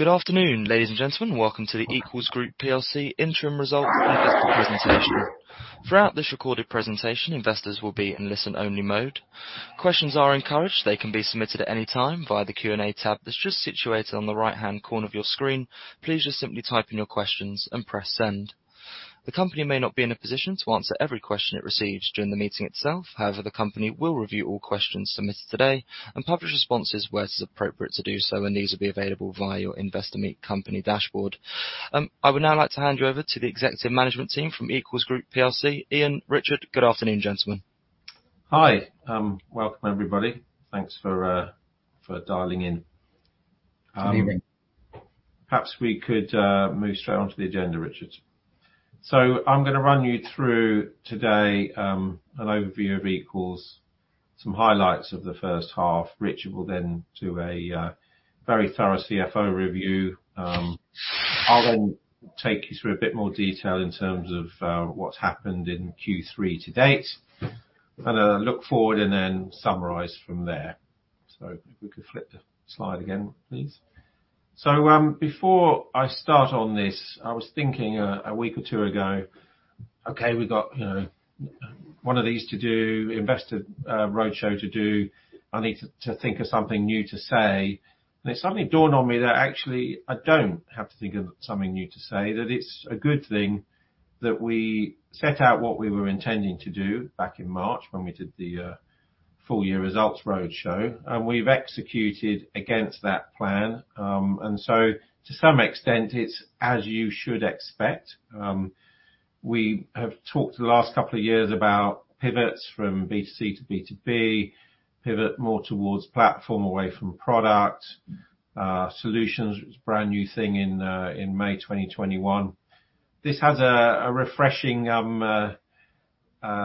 Good afternoon, ladies and gentlemen. Welcome to the Equals Group PLC Interim Results Investor Presentation. Throughout this recorded presentation, investors will be in listen-only mode. Questions are encouraged. They can be submitted at any time via the Q&A tab that's just situated on the right-hand corner of your screen. Please just simply type in your questions and press Send. The company may not be in a position to answer every question it receives during the meeting itself. However, the company will review all questions submitted today and publish responses where it is appropriate to do so, and these will be available via your Investor Meet company dashboard. I would now like to hand you over to the executive management team from Equals Group PLC. Ian, Richard, good afternoon, gentlemen. Hi. Welcome, everybody. Thanks for dialing in. Good evening. Perhaps we could move straight onto the agenda, Richard. So I'm gonna run you through, today, an overview of Equals, some highlights of the first half. Richard will then do a very thorough CFO review. I'll then take you through a bit more detail in terms of what's happened in Q3 to date, and then look forward, and then summarize from there. So if we could flip the slide again, please. So, before I start on this, I was thinking a week or two ago, okay, we've got, you know, one of these to do, investor roadshow to do. I need to think of something new to say, and then something dawned on me that, actually, I don't have to think of something new to say. That it's a good thing that we set out what we were intending to do back in March when we did the full year results roadshow, and we've executed against that plan. And so to some extent, it's as you should expect. We have talked the last couple of years about pivots from B2C to B2B, pivot more towards platform, away from product. Solutions, which was a brand-new thing in May 2021. This has a refreshing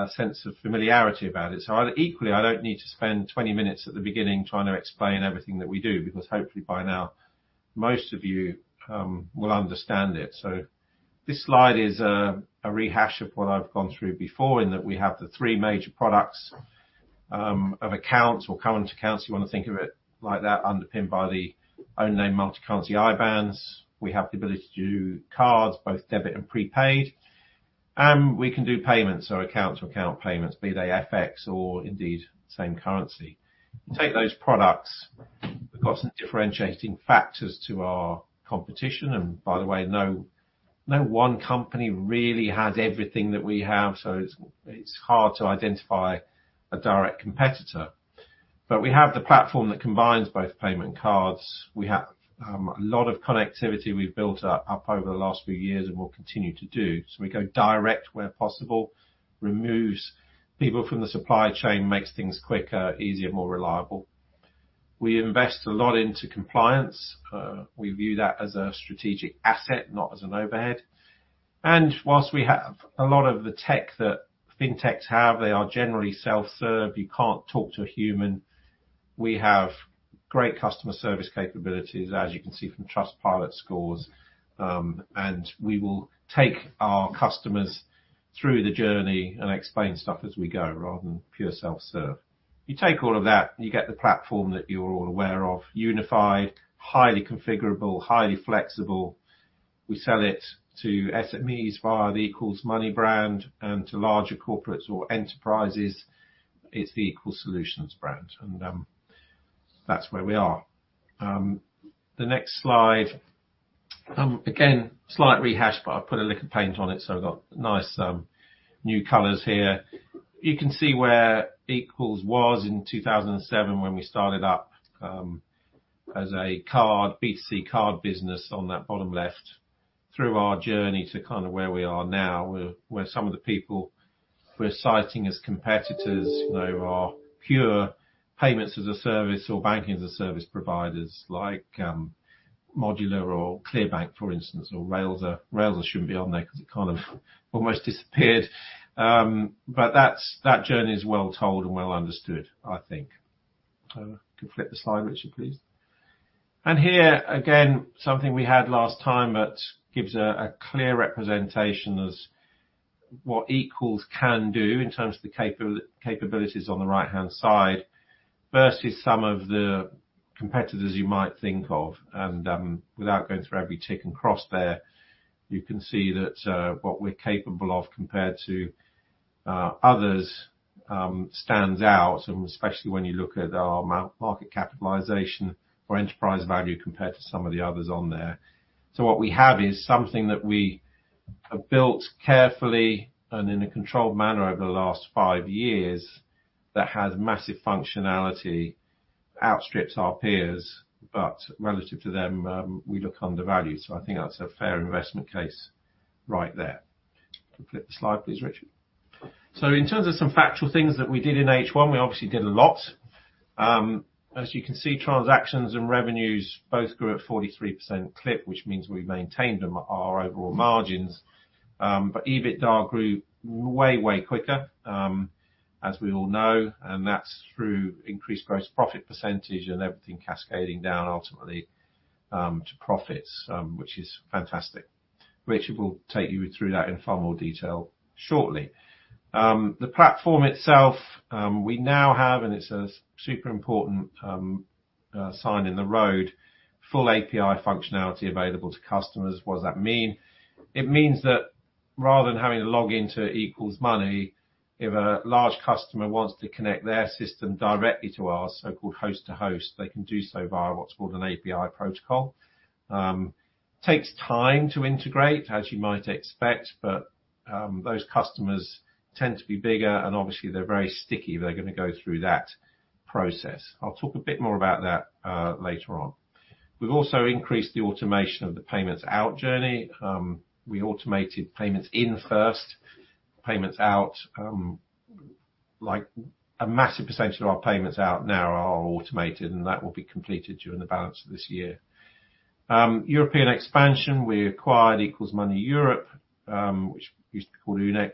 sense of familiarity about it. So equally, I don't need to spend 20 minutes at the beginning trying to explain everything that we do, because hopefully by now, most of you will understand it. So this slide is a rehash of what I've gone through before, in that we have the three major products of accounts or current accounts, you want to think of it like that, underpinned by the own name, multi-currency IBANs. We have the ability to do cards, both debit and prepaid, and we can do payments or account to account payments, be they FX or indeed, same currency. You take those products, we've got some differentiating factors to our competition, and by the way, no, no one company really has everything that we have, so it's hard to identify a direct competitor. But we have the platform that combines both payment and cards. We have a lot of connectivity we've built up over the last few years and will continue to do. So we go direct where possible, removes people from the supply chain, makes things quicker, easier, more reliable. We invest a lot into compliance. We view that as a strategic asset, not as an overhead. And while we have a lot of the tech that FinTechs have, they are generally self-serve. You can't talk to a human. We have great customer service capabilities, as you can see from Trustpilot scores, and we will take our customers through the journey and explain stuff as we go, rather than pure self-serve. You take all of that, and you get the platform that you're all aware of, unified, highly configurable, highly flexible. We sell it to SMEs via the Equals Money brand and to larger corporates or enterprises. It's the Equals Solutions brand, and that's where we are. The next slide, again, slight rehash, but I've put a lick of paint on it, so I've got nice, new colors here. You can see where Equals was in 2007 when we started up, as a card, B2C card business on that bottom left, through our journey to kind of where we are now, where some of the people we're citing as competitors, you know, are pure payments as a service or banking as a service providers like, Modulr or ClearBank, for instance, or Railsr. Railsr shouldn't be on there because it kind of almost disappeared. But that's-- that journey is well told and well understood, I think. You can flip the slide, Richard, please. Here, again, something we had last time, that gives a clear representation as what Equals can do in terms of the capabilities on the right-hand side, versus some of the competitors you might think of. Without going through every tick and cross there, you can see that what we're capable of compared to others stands out, and especially when you look at our market capitalization or enterprise value compared to some of the others on there. So what we have is something that we have built carefully and in a controlled manner over the last five years, that has massive functionality, outstrips our peers, but relative to them, we look undervalued. So I think that's a fair investment case right there. You can flip the slide, please, Richard. So in terms of some factual things that we did in H1, we obviously did a lot. As you can see, transactions and revenues both grew at 43% clip, which means we've maintained them, our overall margins. But EBITDA grew way, way quicker, as we all know, and that's through increased gross profit percentage and everything cascading down ultimately, to profits, which is fantastic.... Richard will take you through that in far more detail shortly. The platform itself, we now have, and it's a super important, sign in the road, full API functionality available to customers. What does that mean? It means that rather than having to log into Equals Money, if a large customer wants to connect their system directly to our so-called Host-to-Host, they can do so via what's called an API protocol. Takes time to integrate, as you might expect, but those customers tend to be bigger, and obviously, they're very sticky. They're gonna go through that process. I'll talk a bit more about that later on. We've also increased the automation of the payments out journey. We automated payments in first, payments out, like, a massive percentage of our payments out now are automated, and that will be completed during the balance of this year. European expansion, we acquired Equals Money Europe, which used to be called Oonex,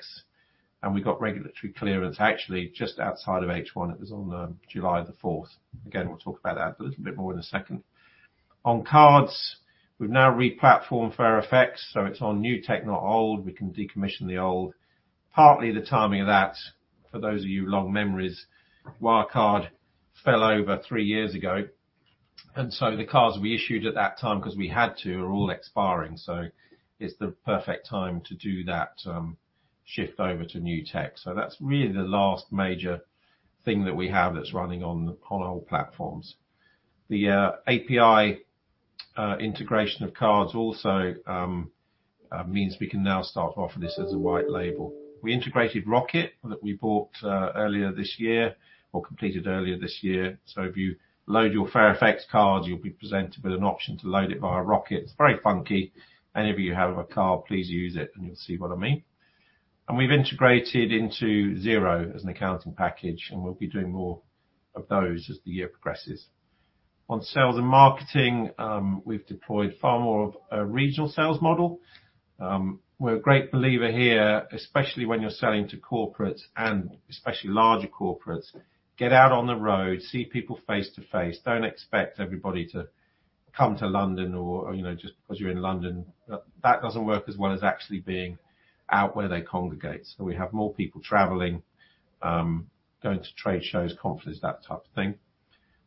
and we got regulatory clearance actually just outside of H1. It was on July the fourth. Again, we'll talk about that a little bit more in a second. On cards, we've now re-platformed FairFX, so it's on new tech, not old. We can decommission the old. Partly, the timing of that, for those of you with long memories, Wirecard fell over three years ago, and so the cards we issued at that time, 'cause we had to, are all expiring, so it's the perfect time to do that, shift over to new tech. So that's really the last major thing that we have that's running on old platforms. The API integration of cards also means we can now start offering this as a white label. We integrated Railsr that we bought earlier this year, or completed earlier this year. So if you load your FairFX cards, you'll be presented with an option to load it via Railsr. It's very funky. Any of you have a card, please use it, and you'll see what I mean. We've integrated into Xero as an accounting package, and we'll be doing more of those as the year progresses. On sales and marketing, we've deployed far more of a regional sales model. We're a great believer here, especially when you're selling to corporates and especially larger corporates, get out on the road, see people face to face. Don't expect everybody to come to London or you know, just because you're in London. That doesn't work as well as actually being out where they congregate. We have more people traveling, going to trade shows, conferences, that type of thing.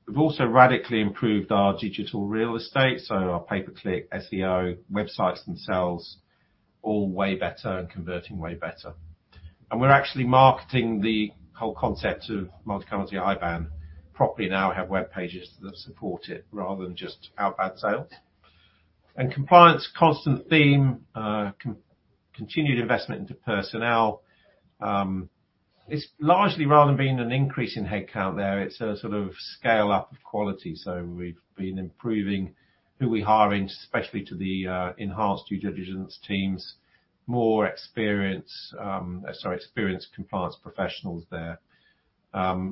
We've also radically improved our digital real estate, so our pay-per-click, SEO, websites themselves, all way better and converting way better. We're actually marketing the whole concept of multi-currency IBAN properly now and have web pages that support it, rather than just outbound sales. Compliance, constant theme, continued investment into personnel. It's largely rather than being an increase in headcount there, it's a sort of scale-up of quality, so we've been improving who we hire, especially to the enhanced due diligence teams. More experienced compliance professionals there.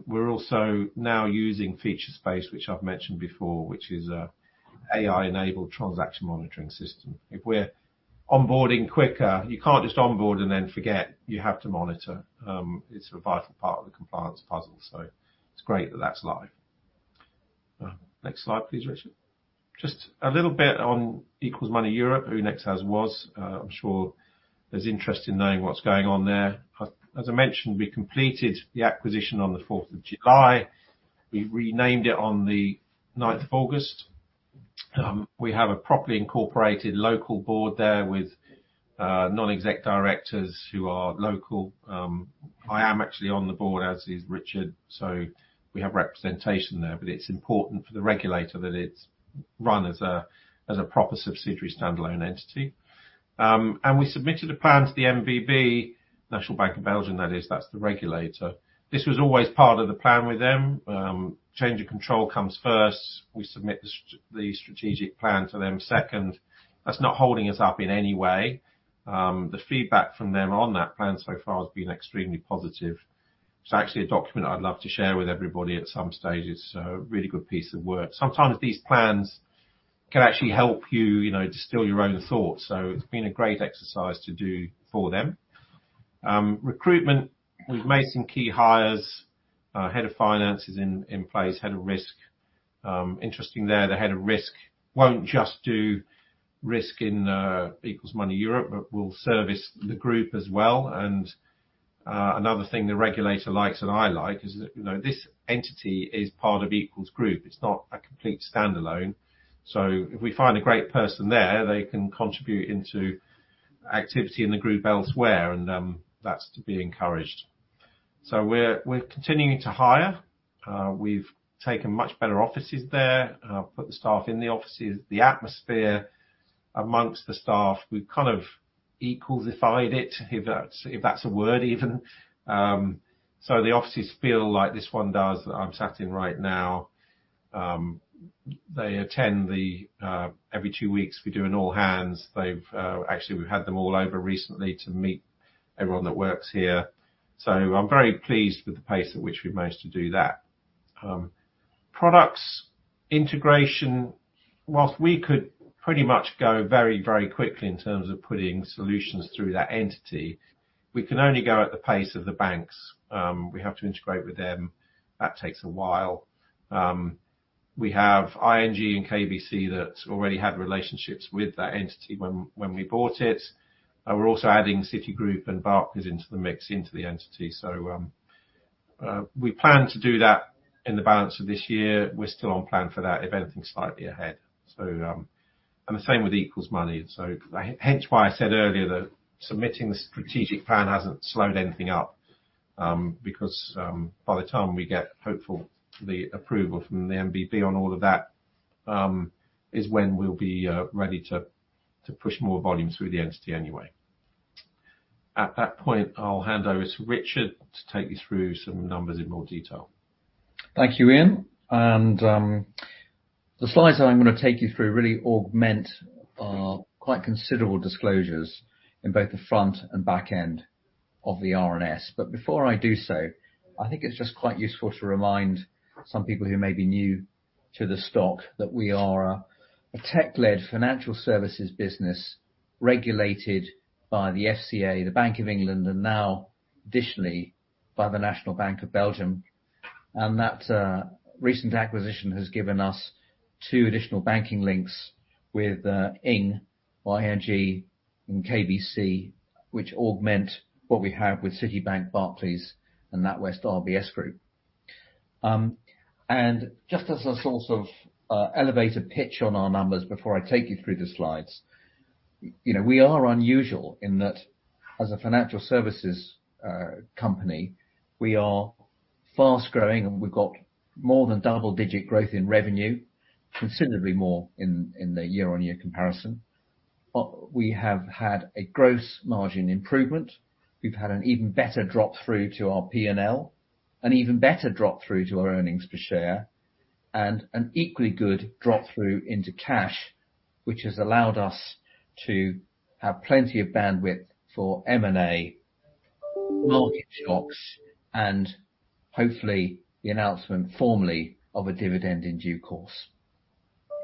We're also now using Featurespace, which I've mentioned before, which is an AI-enabled transaction monitoring system. If we're onboarding quicker, you can't just onboard and then forget, you have to monitor. It's a vital part of the compliance puzzle, so it's great that that's live. Next slide, please, Richard. Just a little bit on Equals Money Europe, Oonex as was. I'm sure there's interest in knowing what's going on there. As I mentioned, we completed the acquisition on the fourth of July. We renamed it on the ninth of August. We have a properly incorporated local board there with non-exec directors who are local. I am actually on the board, as is Richard, so we have representation there, but it's important for the regulator that it's run as a proper subsidiary, standalone entity. We submitted a plan to the NBB, National Bank of Belgium, that is, that's the regulator. This was always part of the plan with them. Change of control comes first. We submit the strategic plan to them second. That's not holding us up in any way. The feedback from them on that plan so far has been extremely positive. It's actually a document I'd love to share with everybody at some stage. It's a really good piece of work. Sometimes these plans can actually help you, you know, distill your own thoughts, so it's been a great exercise to do for them. Recruitment, we've made some key hires. Our head of finance is in place, head of risk. Interesting there, the head of risk won't just do risk in Equals Money Europe, but will service the group as well, and another thing the regulator likes, and I like, is that, you know, this entity is part of Equals Group. It's not a complete standalone. So if we find a great person there, they can contribute into activity in the group elsewhere, and that's to be encouraged. So we're continuing to hire. We've taken much better offices there, put the staff in the offices. The atmosphere among the staff, we've kind of Equalified it, if that's a word even. So the offices feel like this one does, that I'm sat in right now. Every two weeks, we do an all hands. They've actually, we've had them all over recently to meet everyone that works here. So I'm very pleased with the pace at which we've managed to do that. Products integration, while we could pretty much go very, very quickly in terms of putting solutions through that entity, we can only go at the pace of the banks. We have to integrate with them. That takes a while. We have ING and KBC that already had relationships with that entity when we bought it. And we're also adding Citibank and Barclays into the mix, into the entity. So we plan to do that in the balance of this year. We're still on plan for that, if anything, slightly ahead. So, and the same with Equals Money. So hence why I said earlier, that submitting the strategic plan hasn't slowed anything up, because, by the time we get, hopefully, the approval from the NBB on all of that, is when we'll be ready to push more volume through the entity anyway. At that point, I'll hand over to Richard to take you through some numbers in more detail. Thank you, Ian, and the slides that I'm gonna take you through really augment our quite considerable disclosures in both the front and back end of the RNS. But before I do so, I think it's just quite useful to remind some people who may be new to the stock, that we are a tech-led financial services business, regulated by the FCA, the Bank of England, and now additionally, by the National Bank of Belgium. And that recent acquisition has given us two additional banking links with ING and KBC, which augment what we have with Citibank, Barclays, and NatWest RBS Group. And just as a sort of elevator pitch on our numbers before I take you through the slides. You know, we are unusual in that, as a financial services company, we are fast growing, and we've got more than double-digit growth in revenue, considerably more in the year-on-year comparison. We have had a gross margin improvement. We've had an even better drop-through to our P&L, an even better drop-through to our earnings per share, and an equally good drop-through into cash, which has allowed us to have plenty of bandwidth for M&A, market shocks, and hopefully, the announcement formally of a dividend in due course.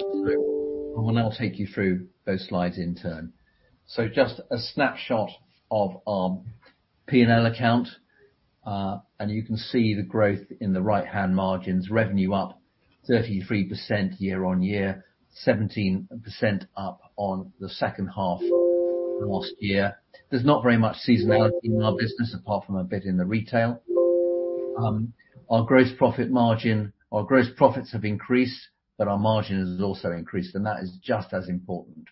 I will now take you through those slides in turn. So just a snapshot of our P&L account, and you can see the growth in the right-hand margins. Revenue up 33% year-on-year, 17% up on the second half of last year. There's not very much seasonality in our business, apart from a bit in the retail. Our gross profit margin. Our gross profits have increased, but our margin has also increased, and that is just as important.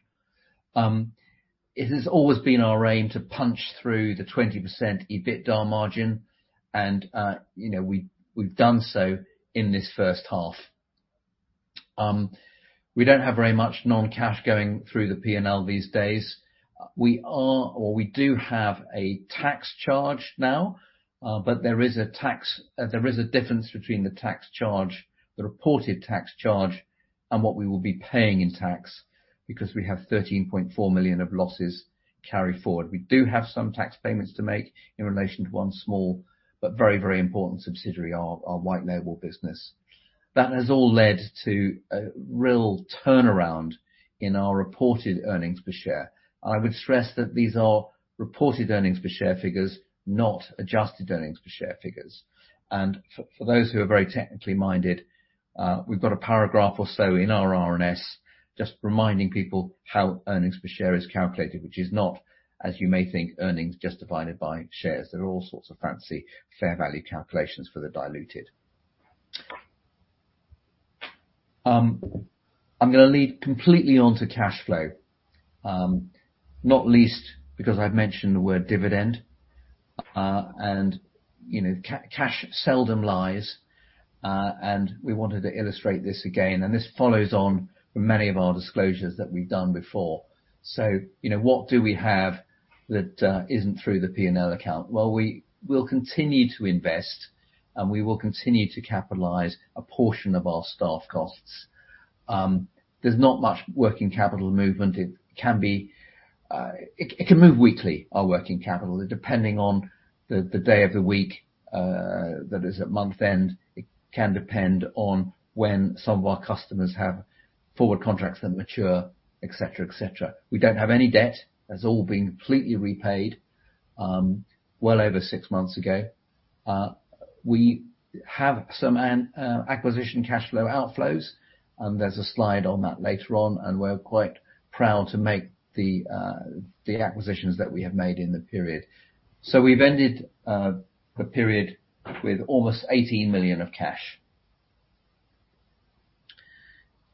It has always been our aim to punch through the 20% EBITDA margin and, you know, we, we've done so in this first half. We don't have very much non-cash going through the P&L these days. We are, or we do have a tax charge now, but there is a tax charge. There is a difference between the tax charge, the reported tax charge, and what we will be paying in tax, because we have 13.4 million of losses carry forward. We do have some tax payments to make in relation to one small but very, very important subsidiary, our, our white label business. That has all led to a real turnaround in our reported earnings per share. I would stress that these are reported earnings per share figures, not adjusted earnings per share figures. And for those who are very technically minded, we've got a paragraph or so in our RNS, just reminding people how earnings per share is calculated, which is not, as you may think, earnings just divided by shares. There are all sorts of fancy fair value calculations for the diluted. I'm gonna lead completely onto cash flow, not least because I've mentioned the word dividend. And, you know, cash seldom lies, and we wanted to illustrate this again, and this follows on from many of our disclosures that we've done before. So, you know, what do we have that isn't through the P&L account? Well, we will continue to invest, and we will continue to capitalize a portion of our staff costs. There's not much working capital movement. It can be, it can move weekly, our working capital. Depending on the day of the week that is at month end, it can depend on when some of our customers have forward contracts that mature, et cetera, et cetera. We don't have any debt. That's all been completely repaid, well over six months ago. We have some acquisition cash flow outflows, and there's a slide on that later on, and we're quite proud to make the acquisitions that we have made in the period. We've ended the period with almost 18 million of cash.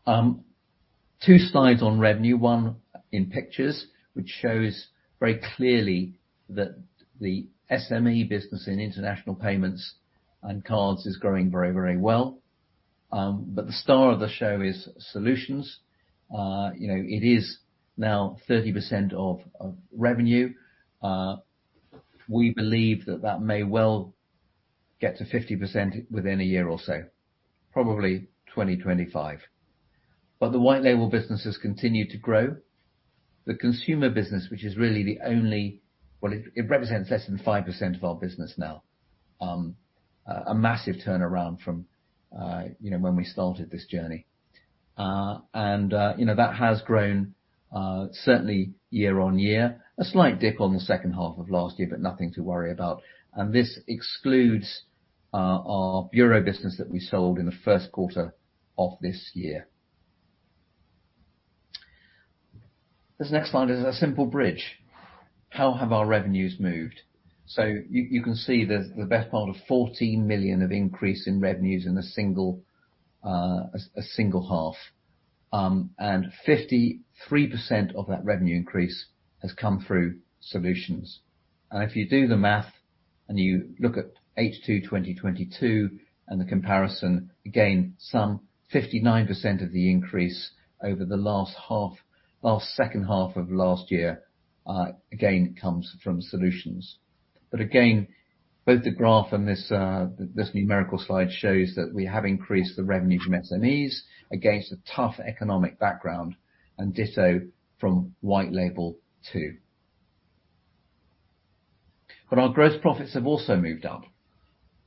Two slides on revenue, one in pictures, which shows very clearly that the SME business in international payments and cards is growing very, very well. The star of the show is solutions. You know, it is now 30% of revenue. We believe that may well get to 50% within a year or so, probably 2025. But the white label business has continued to grow. The consumer business, which is really the only... Well, it represents less than 5% of our business now. A massive turnaround from, you know, when we started this journey... and, you know, that has grown certainly year-over-year. A slight dip on the second half of last year, but nothing to worry about. And this excludes our bureau business that we sold in the first quarter of this year. This next slide is a simple bridge. How have our revenues moved? So you can see the best part of 14 million increase in revenues in a single half. And 53% of that revenue increase has come through solutions. And if you do the math and you look at H2 2022, and the comparison, again, some 59% of the increase over the last half, last second half of last year, again, comes from solutions. But again, both the graph and this numerical slide shows that we have increased the revenue from SMEs against a tough economic background, and ditto from white label too. But our gross profits have also moved up,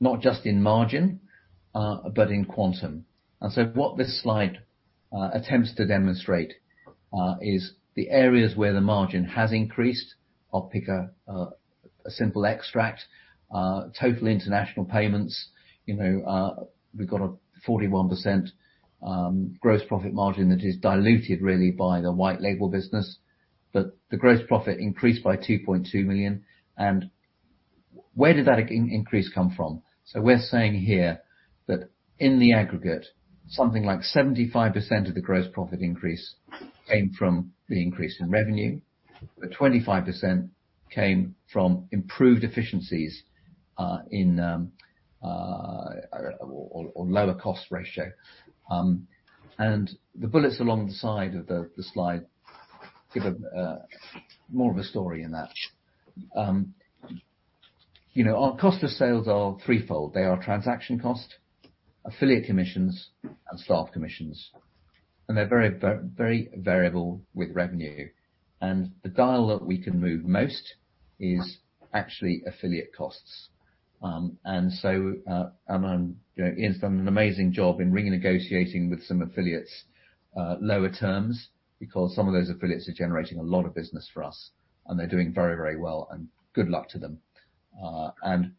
not just in margin, but in quantum. And so what this slide attempts to demonstrate is the areas where the margin has increased. I'll pick a simple extract, total international payments, you know, we've got a 41% gross profit margin that is diluted really by the white label business, but the gross profit increased by 2.2 million. And where did that increase come from? So we're saying here, that in the aggregate, something like 75% of the gross profit increase came from the increase in revenue, but 25% came from improved efficiencies in or lower cost ratio. And the bullets along the side of the slide give more of a story in that. You know, our cost of sales are threefold. They are transaction cost, affiliate commissions, and staff commissions, and they're very variable with revenue. And the dial that we can move most is actually affiliate costs. You know, Ian's done an amazing job in renegotiating with some affiliates lower terms, because some of those affiliates are generating a lot of business for us, and they're doing very, very well, and good luck to them.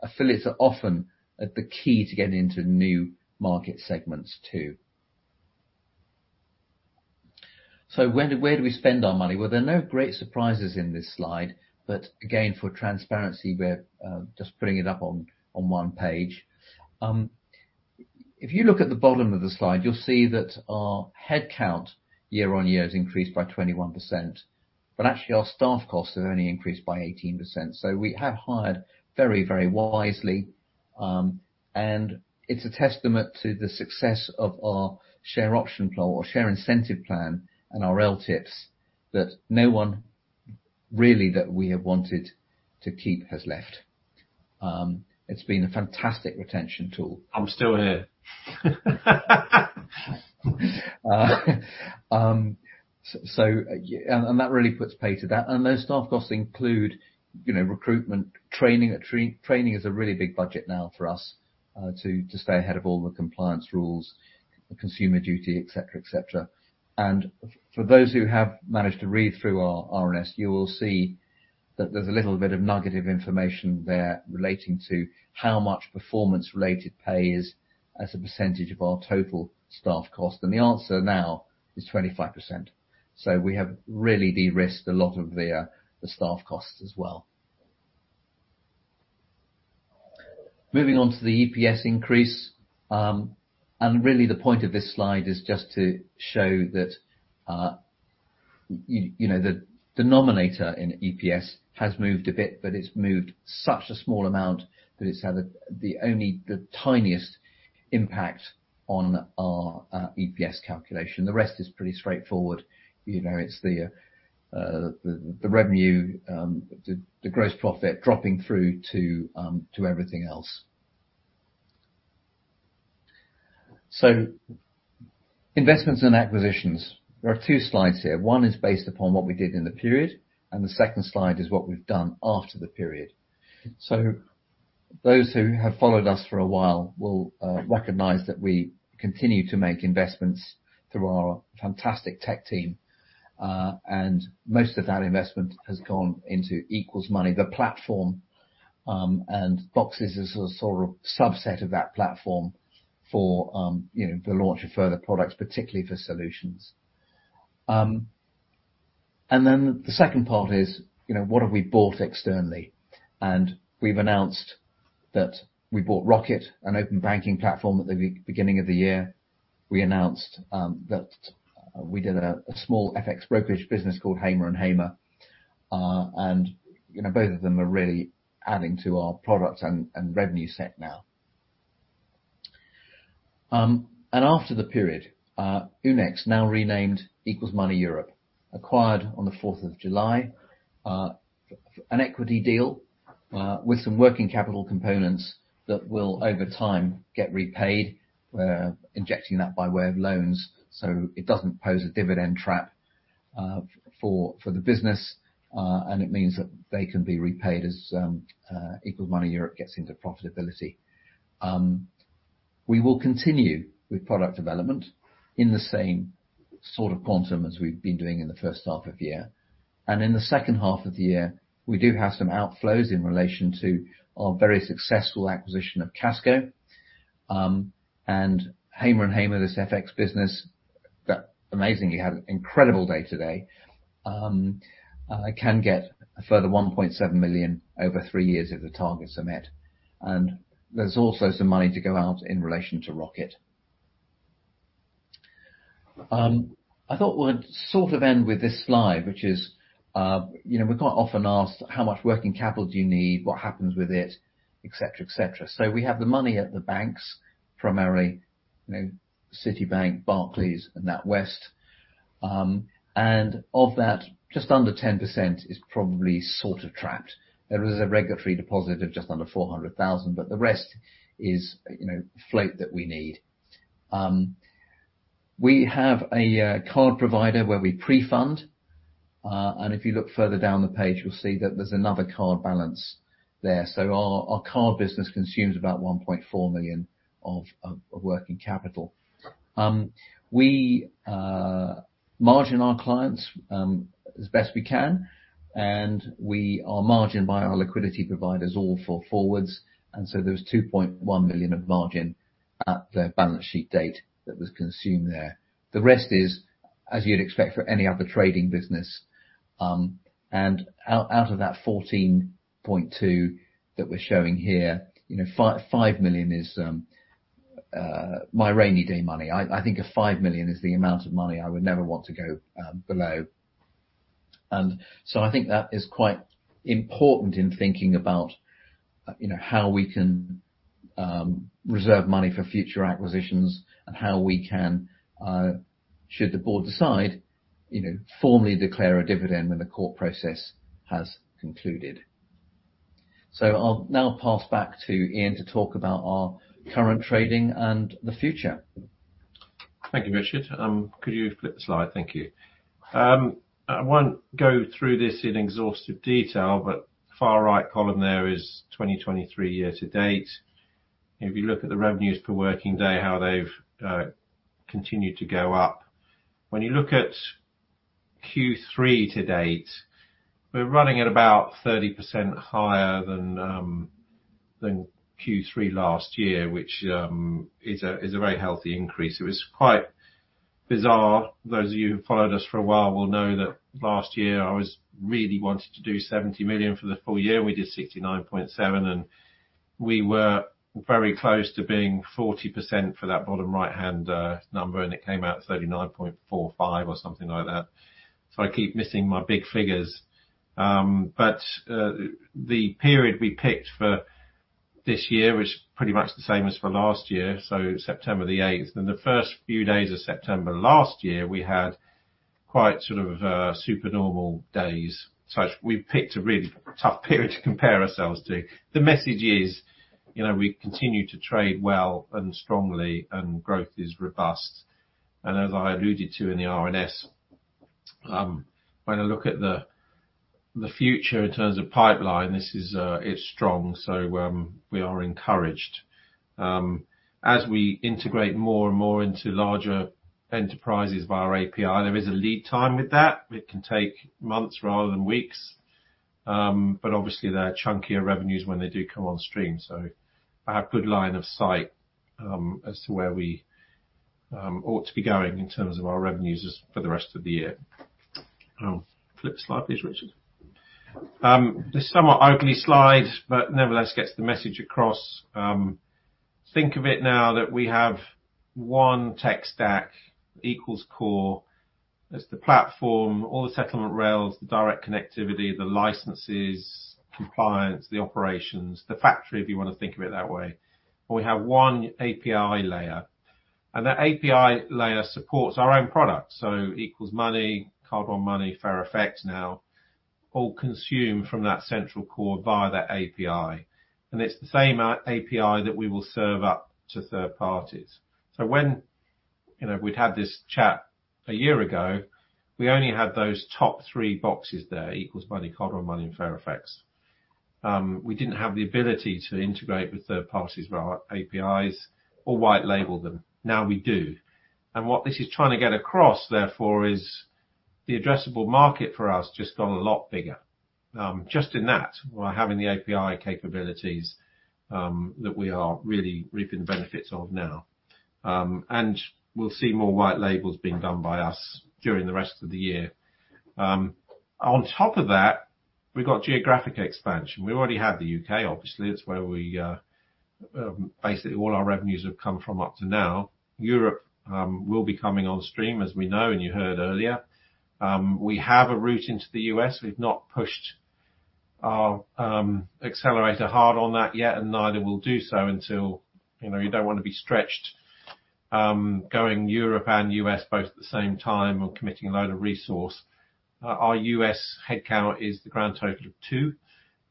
Affiliates are often the key to getting into new market segments, too. So where do we spend our money? Well, there are no great surprises in this slide, but again, for transparency, we're just putting it up on one page. If you look at the bottom of the slide, you'll see that our headcount year-on-year has increased by 21%, but actually our staff costs have only increased by 18%. We have hired very, very wisely, and it's a testament to the success of our share option plan or share incentive plan, and our LTIPs, that no one really that we have wanted to keep has left. It's been a fantastic retention tool. I'm still here. And that really puts paid to that. And those staff costs include, you know, recruitment, training. Training is a really big budget now for us, to stay ahead of all the compliance rules, the Consumer Duty, et cetera, et cetera. And for those who have managed to read through our RNS, you will see that there's a little bit of nugget of information there relating to how much performance-related pay is as a percentage of our total staff cost, and the answer now is 25%. So we have really de-risked a lot of the staff costs as well. Moving on to the EPS increase, and really the point of this slide is just to show that, you know, the denominator in EPS has moved a bit, but it's moved such a small amount that it's had only the tiniest impact on our EPS calculation. The rest is pretty straightforward. You know, it's the revenue, the gross profit dropping through to everything else. So investments and acquisitions, there are two slides here. One is based upon what we did in the period, and the second slide is what we've done after the period. So those who have followed us for a while will recognize that we continue to make investments through our fantastic tech team, and most of that investment has gone into Equals Money, the platform. And Boxes is a sort of subset of that platform for, you know, the launch of further products, particularly for solutions. And then the second part is, you know, what have we bought externally? And we've announced that we bought Roqqett, an open banking platform, at the beginning of the year. We announced that we did a small FX brokerage business called Hamer & Hamer. And, you know, both of them are really adding to our products and revenue set now. And after the period, Oonex, now renamed Equals Money Europe, acquired on the fourth of July, an equity deal, with some working capital components that will, over time, get repaid. We're injecting that by way of loans, so it doesn't pose a dividend trap... for, for the business, and it means that they can be repaid as Equals Money Europe gets into profitability. We will continue with product development in the same sort of quantum as we've been doing in the first half of the year. And in the second half of the year, we do have some outflows in relation to our very successful acquisition of Casco. And Hamer & Hamer, this FX business, that amazingly had an incredible day today, can get a further 1.7 million over three years if the targets are met. There's also some money to go out in relation to Roqqett. I thought we'd sort of end with this slide, which is, you know, we're quite often asked: How much working capital do you need? What happens with it? Et cetera, et cetera. So we have the money at the banks, primarily, you know, Citibank, Barclays, and NatWest. And of that, just under 10% is probably sort of trapped. There is a regulatory deposit of just under 400,000, but the rest is, you know, float that we need. We have a card provider where we pre-fund, and if you look further down the page, you'll see that there's another card balance there. So our card business consumes about 1.4 million of working capital. We margin our clients as best we can, and we are margined by our liquidity providers all for forwards, and so there's 2.1 million of margin at the balance sheet date that was consumed there. The rest is, as you'd expect, for any other trading business. And out of that 14.2 that we're showing here, you know, 5 million is my rainy day money. I think of 5 million as the amount of money I would never want to go below. And so I think that is quite important in thinking about, you know, how we can reserve money for future acquisitions and how we can, should the board decide, you know, formally declare a dividend when the court process has concluded. I'll now pass back to Ian to talk about our current trading and the future. Thank you, Richard. Could you flip the slide? Thank you. I won't go through this in exhaustive detail, but far right column there is 2023 year to date. If you look at the revenues per working day, how they've continued to go up. When you look at Q3 to date, we're running at about 30% higher than Q3 last year, which is a very healthy increase. It was quite bizarre. Those of you who followed us for a while will know that last year, I really wanted to do 70 million for the full year, and we did 69.7, and we were very close to being 40% for that bottom right-hand number, and it came out 39.45 or something like that. So I keep missing my big figures. The period we picked for this year was pretty much the same as for last year, so September the eighth. The first few days of September last year, we had quite sort of super normal days. We've picked a really tough period to compare ourselves to. The message is, you know, we continue to trade well and strongly, and growth is robust. As I alluded to in the RNS, when I look at the future in terms of pipeline, this is, it's strong, so we are encouraged. As we integrate more and more into larger enterprises via our API, there is a lead time with that. It can take months rather than weeks, but obviously there are chunkier revenues when they do come on stream, so I have good line of sight, as to where we ought to be going in terms of our revenues as for the rest of the year. Flip the slide, please, Richard. This is a somewhat ugly slide, but nevertheless, gets the message across. Think of it now that we have one tech stack, Equals Core. That's the platform, all the settlement rails, the direct connectivity, the licenses, compliance, the operations, the factory, if you want to think of it that way. We have one API layer, and that API layer supports our own product, so Equals Money, Card One Money, FairFX now, all consume from that central core via that API, and it's the same out-API that we will serve up to third parties. So when, you know, we'd had this chat a year ago, we only had those top three boxes there, Equals Money, Card One Money, and FairFX. We didn't have the ability to integrate with third parties via our APIs or white label them. Now we do. And what this is trying to get across, therefore, is the addressable market for us just got a lot bigger. Just in that, by having the API capabilities, that we are really reaping the benefits of now. And we'll see more white labels being done by us during the rest of the year. On top of that, we've got geographic expansion. We already have the UK, obviously, that's where we basically all our revenues have come from up to now. Europe will be coming on stream, as we know, and you heard earlier. We have a route into the US. We've not pushed our accelerator hard on that yet, and neither will do so until. You know, you don't want to be stretched going Europe and US both at the same time and committing a load of resource. Our US headcount is the grand total of two,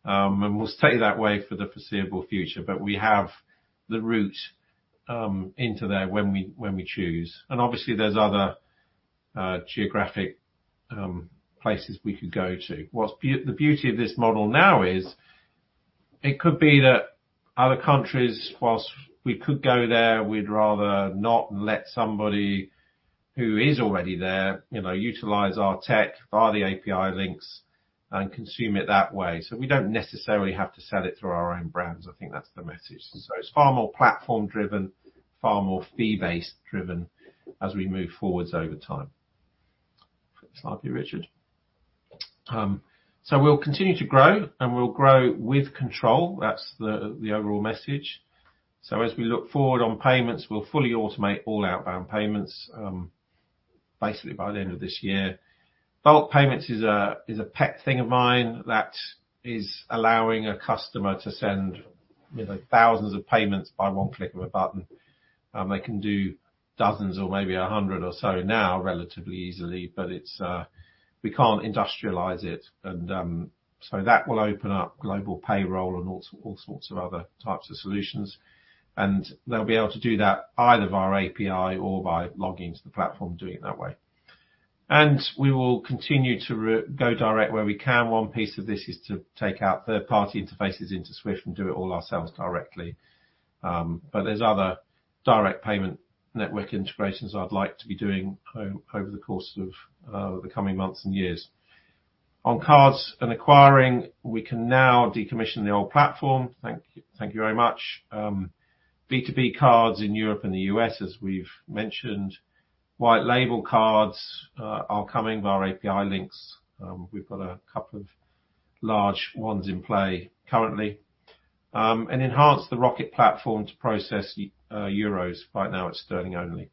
and will stay that way for the foreseeable future, but we have the route into there when we choose. Obviously, there's other geographic places we could go to. The beauty of this model now is, it could be that other countries, while we could go there, we'd rather not let somebody who is already there, you know, utilize our tech via the API links and consume it that way. So we don't necessarily have to sell it through our own brands. I think that's the message. So it's far more platform-driven, far more fee-based driven as we move forward over time. Slightly, Richard. So we'll continue to grow, and we'll grow with control. That's the overall message. So as we look forward on payments, we'll fully automate all outbound payments, basically by the end of this year. Bulk payments is a pet thing of mine that is allowing a customer to send, you know, thousands of payments by one click of a button. They can do dozens or maybe 100 or so now relatively easily, but it's. We can't industrialize it, and, so that will open up global payroll and all sorts of other types of solutions. And they'll be able to do that either via API or by logging into the platform, doing it that way. And we will continue to go direct where we can. One piece of this is to take out third-party interfaces into SWIFT and do it all ourselves directly. But there's other direct payment network integrations I'd like to be doing over the course of the coming months and years. On cards and acquiring, we can now decommission the old platform. Thank you, thank you very much. B2B cards in Europe and the U.S., as we've mentioned. White label cards are coming via our API links. We've got a couple of large ones in play currently. Enhance the Roqqett platform to process euros. Right now, it's sterling only.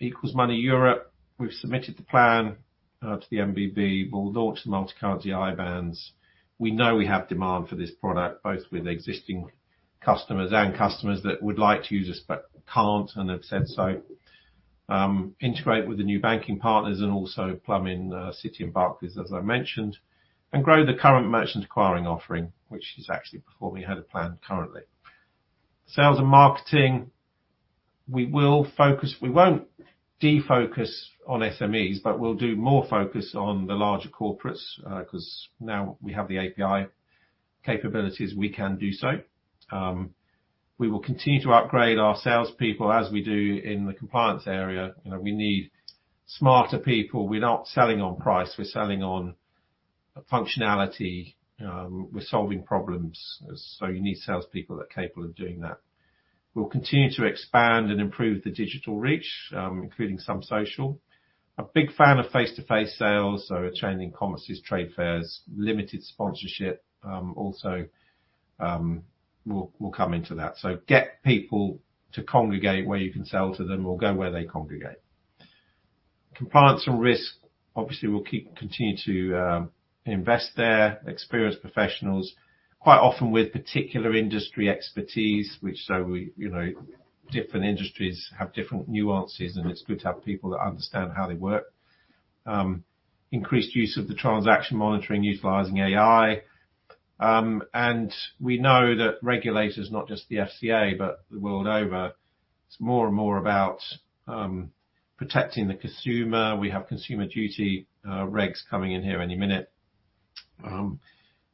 Equals Money Europe, we've submitted the plan to the NBB. We'll launch the multi-currency IBANs. We know we have demand for this product, both with existing customers and customers that would like to use us, but can't and have said so. Integrate with the new banking partners, and also plumb in Citi and Barclays, as I mentioned, and grow the current merchant acquiring offering, which is actually performing ahead of plan currently. Sales and marketing, we will focus, we won't defocus on SMEs, but we'll do more focus on the larger corporates, 'cause now we have the API capabilities, we can do so. We will continue to upgrade our salespeople, as we do in the compliance area. You know, we need smarter people. We're not selling on price, we're selling on functionality. We're solving problems, so you need salespeople that are capable of doing that. We'll continue to expand and improve the digital reach, including some social. A big fan of face-to-face sales, so trade and commerce is trade fairs, limited sponsorship, also, we'll come into that. So get people to congregate where you can sell to them or go where they congregate. Compliance and risk, obviously, we'll keep. Continue to invest there. Experienced professionals, quite often with particular industry expertise, which so we, you know, different industries have different nuances, and it's good to have people that understand how they work. Increased use of the transaction monitoring utilizing AI. We know that regulators, not just the FCA, but the world over, it's more and more about protecting the consumer. We have consumer duty regs coming in here any minute.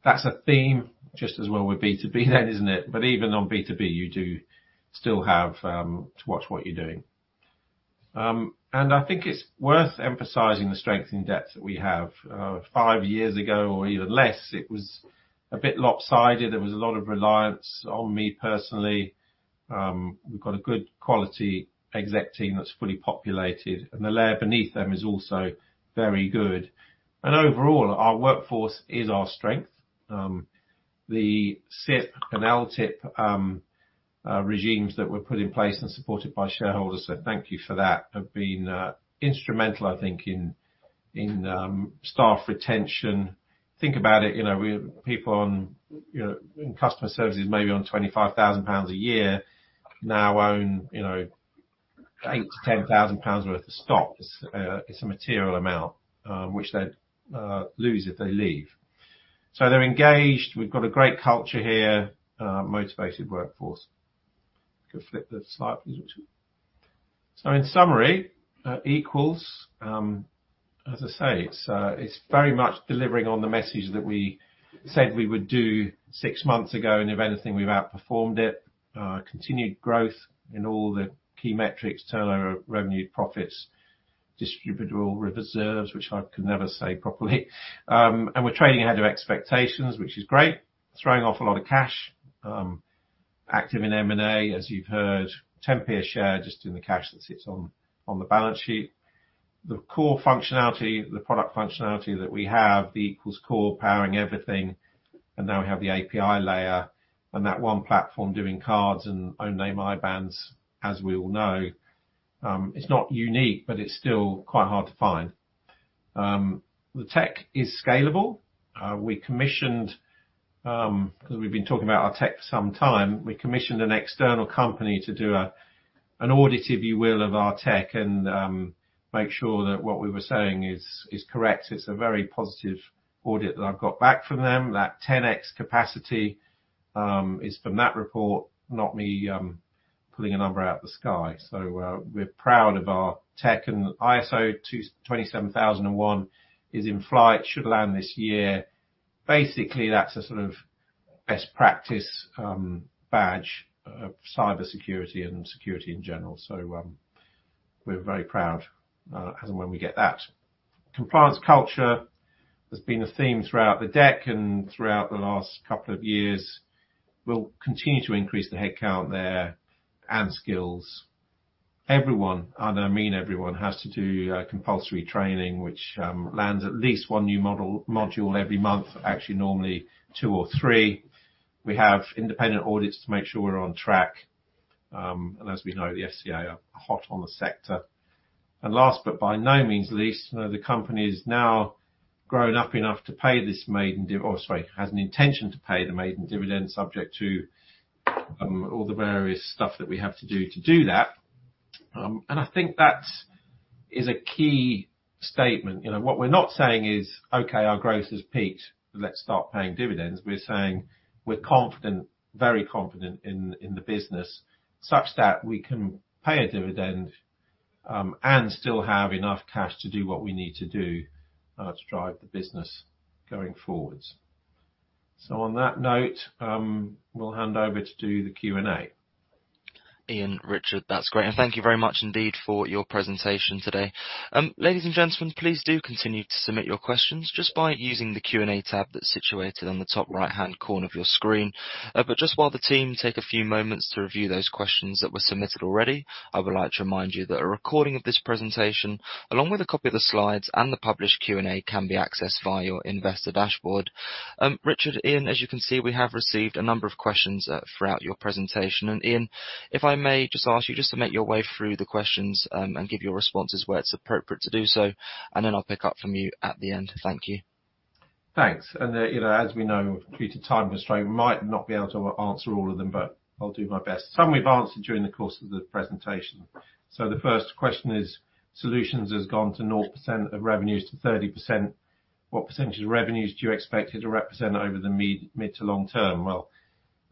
That's a theme, just as well with B2B then, isn't it? But even on B2B, you do still have to watch what you're doing. I think it's worth emphasizing the strength in depth that we have. Five years ago, or even less, it was a bit lopsided. There was a lot of reliance on me personally. We've got a good quality exec team that's fully populated, and the layer beneath them is also very good. Overall, our workforce is our strength. The SIP and LTIP regimes that were put in place and supported by shareholders, so thank you for that, have been instrumental, I think, in staff retention. Think about it, you know, we have people on, you know, in customer services, maybe on 25,000 pounds a year, now own, you know, 8,000-10,000 pounds worth of stocks. It's a material amount, which they'd lose if they leave. So they're engaged. We've got a great culture here, motivated workforce. You can flip the slide, please, Richard. So in summary, Equals, as I say, it's very much delivering on the message that we said we would do six months ago, and if anything, we've outperformed it. Continued growth in all the key metrics, turnover, revenue, profits, distributable reserves, which I could never say properly. We're trading ahead of expectations, which is great, throwing off a lot of cash. Active in M&A, as you've heard, 0.10 per share, just in the cash that sits on the balance sheet. The core functionality, the product functionality that we have, the Equals Core powering everything, and now we have the API layer, and that one platform doing cards and own name IBANs, as we all know. It's not unique, but it's still quite hard to find. The tech is scalable. We commissioned, 'cause we've been talking about our tech for some time, we commissioned an external company to do an audit, if you will, of our tech, and make sure that what we were saying is correct. It's a very positive audit that I've got back from them. That 10x capacity is from that report, not me pulling a number out of the sky. So, we're proud of our tech, and ISO 27001 is in flight, should land this year. Basically, that's a sort of best practice badge of cybersecurity and security in general. So, we're very proud as and when we get that. Compliance culture has been a theme throughout the deck and throughout the last couple of years. We'll continue to increase the headcount there, and skills. Everyone, and I mean everyone, has to do compulsory training, which lands at least one new module every month. Actually, normally two or three. We have independent audits to make sure we're on track. And as we know, the FCA are hot on the sector. Last, but by no means least, you know, the company is now grown up enough to pay this maiden div-- Oh, sorry, has an intention to pay the maiden dividend, subject to all the various stuff that we have to do that. I think that is a key statement. You know, what we're not saying is, "Okay, our growth has peaked. Let's start paying dividends." We're saying: We're confident, very confident in the business, such that we can pay a dividend and still have enough cash to do what we need to do to drive the business going forwards. On that note, we'll hand over to do the Q&A. Ian, Richard, that's great. Thank you very much indeed for your presentation today. Ladies and gentlemen, please do continue to submit your questions just by using the Q&A tab that's situated on the top right-hand corner of your screen. But just while the team take a few moments to review those questions that were submitted already, I would like to remind you that a recording of this presentation, along with a copy of the slides and the published Q&A, can be accessed via your investor dashboard. Richard, Ian, as you can see, we have received a number of questions throughout your presentation. Ian, if I may just ask you just to make your way through the questions, and give your responses where it's appropriate to do so, and then I'll pick up from you at the end. Thank you. Thanks. And you know, as we know, due to time constraint, we might not be able to answer all of them, but I'll do my best. Some we've answered during the course of the presentation. So the first question is: Solutions has gone to 0% of revenues to 30%. What percentage of revenues do you expect it to represent over the mid to long term? Well,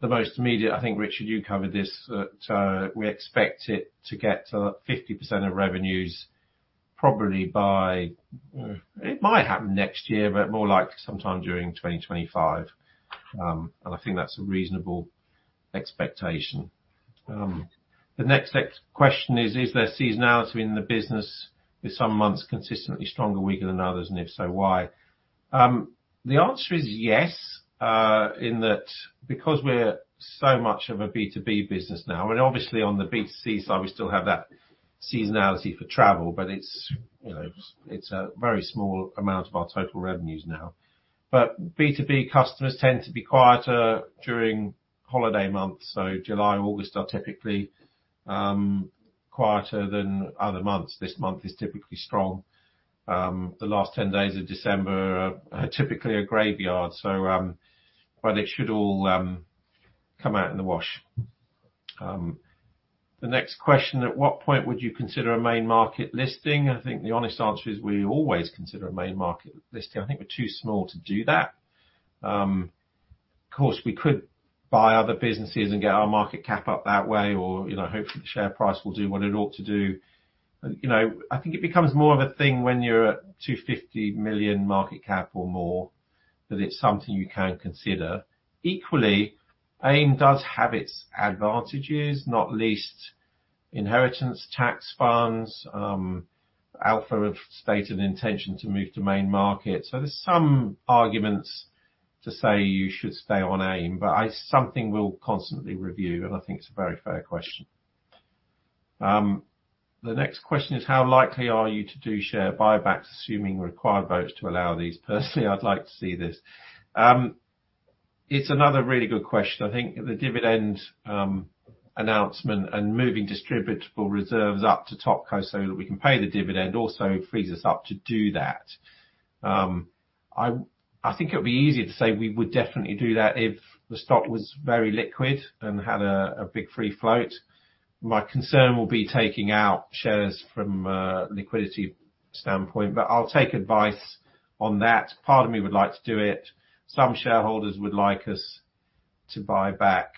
the most immediate, I think, Richard, you covered this, that we expect it to get to 50% of revenues, probably by. It might happen next year, but more like sometime during 2025. And I think that's a reasonable expectation. The next question is: Is there seasonality in the business, with some months consistently stronger, weaker than others? And if so, why? The answer is yes, in that, because we're so much of a B2B business now, and obviously on the B2C side, we still have that seasonality for travel, but it's, you know, it's a very small amount of our total revenues now. But B2B customers tend to be quieter during holiday months, so July, August are typically quieter than other months. This month is typically strong. The last 10 days of December are typically a graveyard, so, but it should all come out in the wash. The next question: At what point would you consider a main market listing? I think the honest answer is we always consider a main market listing. I think we're too small to do that. Of course, we could buy other businesses and get our market cap up that way, or, you know, hopefully, the share price will do what it ought to do. You know, I think it becomes more of a thing when you're at 250 million market cap or more, that it's something you can consider. Equally, AIM does have its advantages, not least, inheritance, tax funds, outflow of stated intention to move to main market. So there's some arguments to say you should stay on AIM, but something we'll constantly review, and I think it's a very fair question. The next question is: How likely are you to do share buybacks, assuming required votes to allow these? Personally, I'd like to see this. It's another really good question. I think the dividend announcement and moving distributable reserves up to Topco so that we can pay the dividend, also frees us up to do that. I think it would be easier to say we would definitely do that if the stock was very liquid and had a big free float. My concern will be taking out shares from a liquidity standpoint, but I'll take advice on that. Part of me would like to do it. Some shareholders would like us to buy back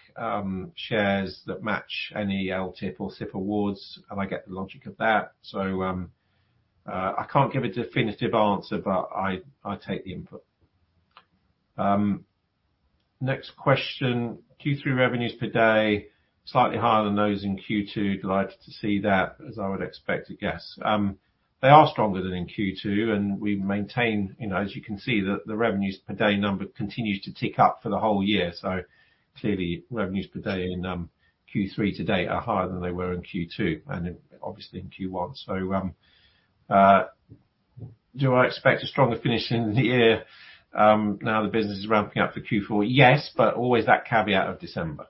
shares that match any LTIP or SIP awards, and I get the logic of that. So, I can't give a definitive answer, but I take the input. Next question. Q3 revenues per day, slightly higher than those in Q2. Delighted to see that, as I would expect, I guess. They are stronger than in Q2, and we've maintained, you know, as you can see, the revenues per day number continues to tick up for the whole year. So clearly, revenues per day in Q3 to date are higher than they were in Q2, and obviously in Q1. So do I expect a stronger finish in the year now the business is ramping up for Q4? Yes, but always that caveat of December.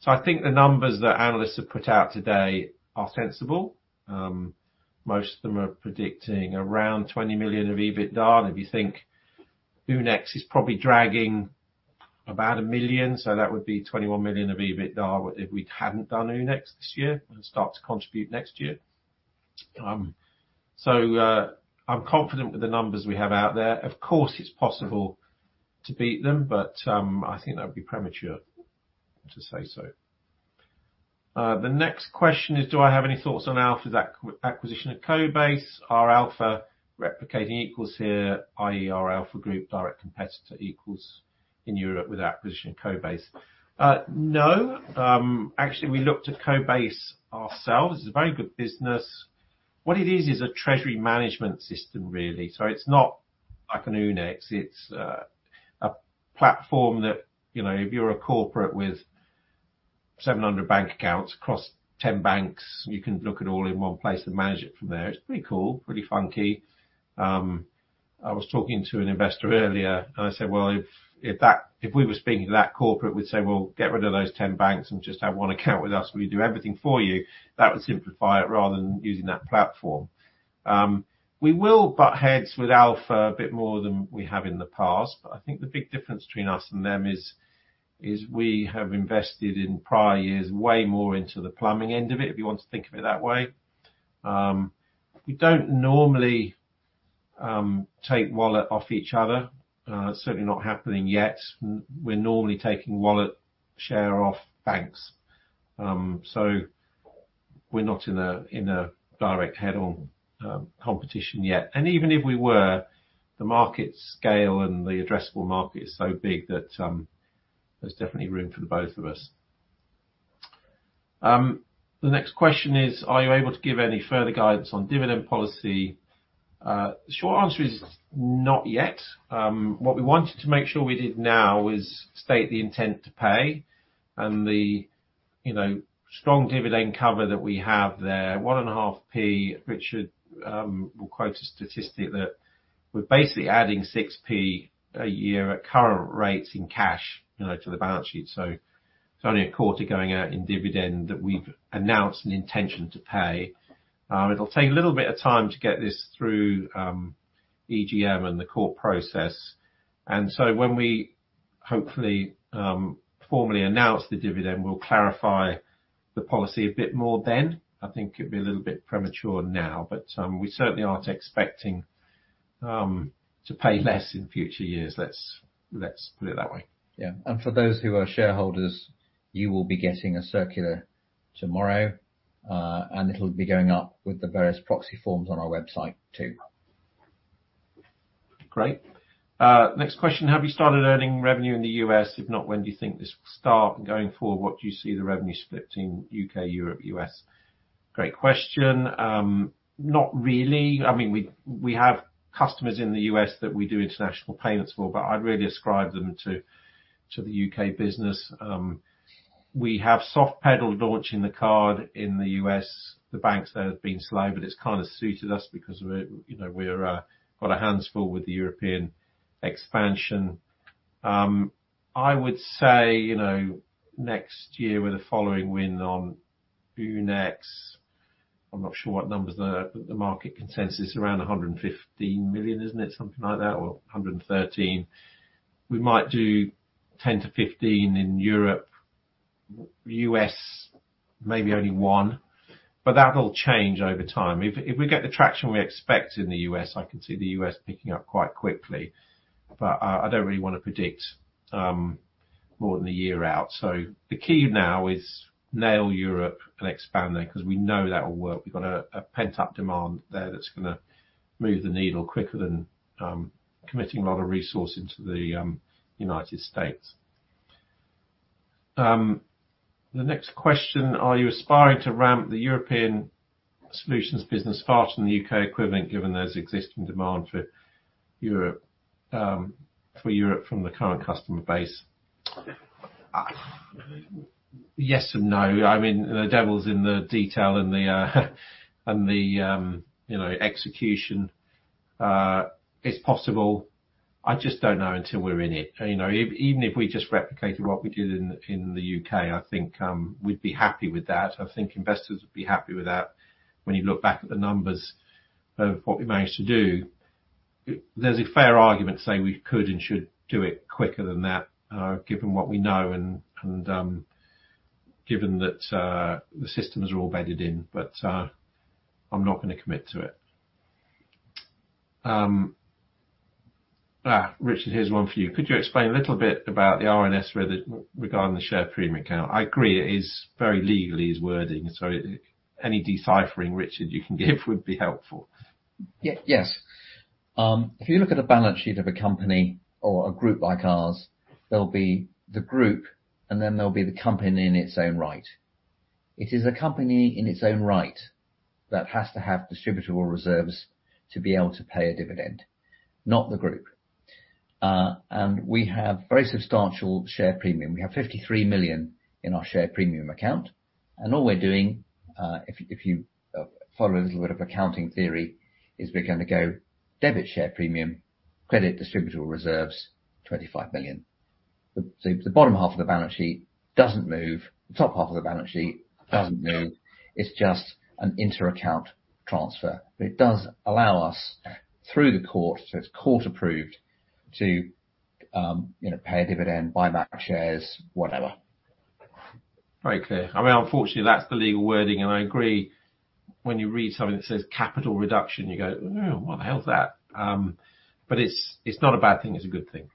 So I think the numbers that analysts have put out today are sensible. Most of them are predicting around 20 million of EBITDA, and if you think Oonex is probably dragging about 1 million, so that would be 21 million of EBITDA, if we hadn't done Oonex this year, it'll start to contribute next year. So I'm confident with the numbers we have out there. Of course, it's possible to beat them, but I think that would be premature to say so. The next question is, do I have any thoughts on Alpha's acquisition of Cobase? Are Alpha replicating Equals here, i.e., are Alpha Group a direct competitor to Equals in Europe with the acquisition of Cobase? No. Actually, we looked at Cobase ourselves. It's a very good business. What it is, is a treasury management system, really. So it's not like an Oonex, it's a platform that, you know, if you're a corporate with 700 bank accounts across 10 banks, you can look at all in one place and manage it from there. It's pretty cool, pretty funky. I was talking to an investor earlier, and I said, "Well, if we were speaking to that corporate, we'd say, 'Well, get rid of those 10 banks and just have one account with us. We do everything for you.' That would simplify it rather than using that platform." We will butt heads with Alpha a bit more than we have in the past, but I think the big difference between us and them is we have invested, in prior years, way more into the plumbing end of it, if you want to think of it that way. We don't normally take wallet off each other. Certainly not happening yet. We're normally taking wallet share off banks. So we're not in a direct head-on competition yet. Even if we were, the market scale and the addressable market is so big that there's definitely room for the both of us. The next question is: Are you able to give any further guidance on dividend policy? The short answer is, not yet. What we wanted to make sure we did now is state the intent to pay and the, you know, strong dividend cover that we have there, 1.5p. Richard will quote a statistic that we're basically adding 6p a year at current rates in cash, you know, to the balance sheet, so it's only a quarter going out in dividend that we've announced an intention to pay. It'll take a little bit of time to get this through EGM and the court process. And so when we hopefully formally announce the dividend, we'll clarify the policy a bit more then. I think it'd be a little bit premature now, but we certainly aren't expecting to pay less in future years. Let's, let's put it that way. Yeah, and for those who are shareholders, you will be getting a circular tomorrow, and it'll be going up with the various proxy forms on our website, too. Great. Next question: Have you started earning revenue in the U.S.? If not, when do you think this will start? And going forward, what do you see the revenue split in U.K., Europe, U.S.? Great question. Not really. I mean, we have customers in the U.S. that we do international payments for, but I'd really ascribe them to the U.K. business. We have soft-pedaled launching the card in the U.S. The banks there have been slow, but it's kind of suited us because we're, you know, quite hands full with the European expansion. I would say, you know, next year, with a following wind on Oonex, I'm not sure what numbers are the market consensus, around 115 million, isn't it? Something like that, or 113 million. We might do 10-15 in Europe, US, maybe only 1, but that'll change over time. If we get the traction we expect in the US, I can see the US picking up quite quickly. But I don't really want to predict more than a year out. So the key now is nail Europe and expand there, 'cause we know that will work. We've got a pent-up demand there that's gonna move the needle quicker than committing a lot of resource into the United States. The next question: Are you aspiring to ramp the European solutions business faster than the UK equivalent, given there's existing demand for Europe from the current customer base? Yes and no. I mean, the devil's in the detail and the, and the, you know, execution. It's possible. I just don't know until we're in it. You know, even if we just replicated what we did in the UK, I think we'd be happy with that. I think investors would be happy with that, when you look back at the numbers of what we managed to do. There's a fair argument to say we could and should do it quicker than that, given what we know and given that the systems are all bedded in. But I'm not gonna commit to it. Richard, here's one for you. Could you explain a little bit about the RNS regarding the share premium account? I agree, it is very legally, its wording, so any deciphering, Richard, you can give would be helpful. Yes. If you look at the balance sheet of a company or a group like ours, there'll be the group, and then there'll be the company in its own right. It is a company in its own right that has to have distributable reserves to be able to pay a dividend, not the group. And we have very substantial share premium. We have 53 million in our share premium account, and all we're doing, if you follow a little bit of accounting theory, is we're gonna go debit share premium, credit distributable reserves, 25 million. So the bottom half of the balance sheet doesn't move, the top half of the balance sheet doesn't move. It's just an inter-account transfer, but it does allow us-. through the court, so it's court approved to, you know, pay a dividend, buy back shares, whatever. Very clear. I mean, unfortunately, that's the legal wording, and I agree when you read something that says capital reduction, you go, "Oh, what the hell is that?" But it's not a bad thing, it's a good thing.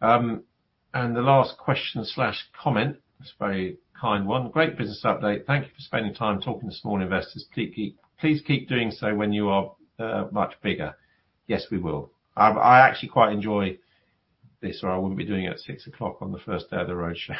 And the last question slash comment, it's a very kind one. Great business update. Thank you for spending time talking to small investors. Please keep doing so when you are much bigger. Yes, we will. I actually quite enjoy this, or I wouldn't be doing it at 6:00 P.M. on the first day of the roadshow.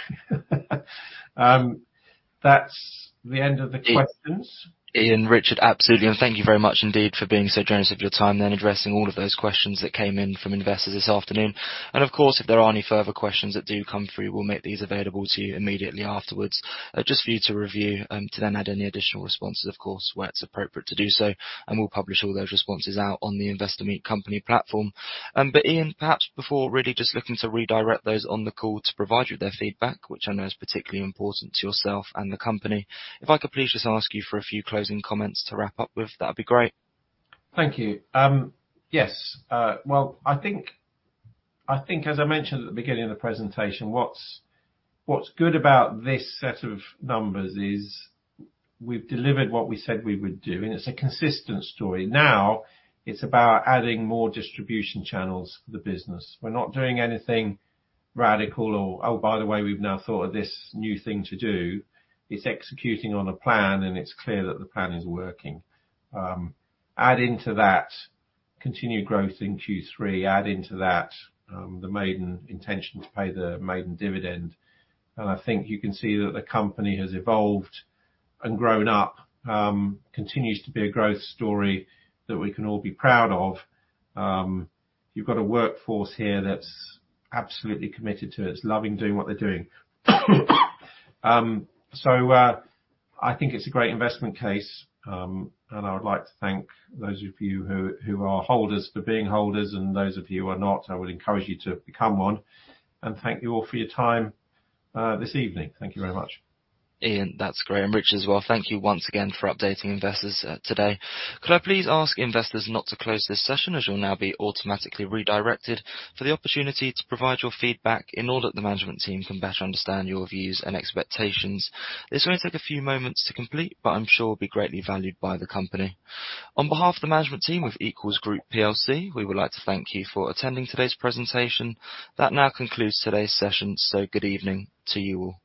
That's the end of the questions. Ian, Richard, absolutely, and thank you very much indeed for being so generous of your time and addressing all of those questions that came in from investors this afternoon. Of course, if there are any further questions that do come through, we'll make these available to you immediately afterwards, just for you to review, to then add any additional responses, of course, where it's appropriate to do so, and we'll publish all those responses out on the Investor Meet Company platform. But Ian, perhaps before really just looking to redirect those on the call to provide you with their feedback, which I know is particularly important to yourself and the company, if I could please just ask you for a few closing comments to wrap up with, that'd be great. Thank you. Yes, well, I think as I mentioned at the beginning of the presentation, what's good about this set of numbers is we've delivered what we said we would do, and it's a consistent story. Now, it's about adding more distribution channels for the business. We're not doing anything radical or, "Oh, by the way, we've now thought of this new thing to do." It's executing on a plan, and it's clear that the plan is working. Add into that continued growth in Q3, add into that, the maiden intention to pay the maiden dividend, and I think you can see that the company has evolved and grown up, continues to be a growth story that we can all be proud of. You've got a workforce here that's absolutely committed to it, loving doing what they're doing. So, I think it's a great investment case, and I would like to thank those of you who, who are holders, for being holders, and those of you who are not, I would encourage you to become one. And thank you all for your time, this evening. Thank you very much. Ian, that's great, and Richard as well. Thank you once again for updating investors today. Could I please ask investors not to close this session, as you'll now be automatically redirected for the opportunity to provide your feedback in order that the management team can better understand your views and expectations. This will only take a few moments to complete, but I'm sure will be greatly valued by the company. On behalf of the management team with Equals Group PLC, we would like to thank you for attending today's presentation. That now concludes today's session, so good evening to you all.